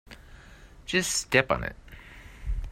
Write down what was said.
Just step on it.